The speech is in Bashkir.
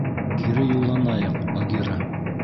Кире юлланайыҡ, Багира.